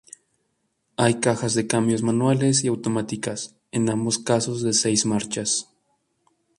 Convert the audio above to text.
Hay cajas de cambios manuales y automáticas, en ambos casos de seis marchas.